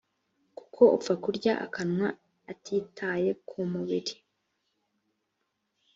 kuko upfa kurya akanywa atitaye ku mubiri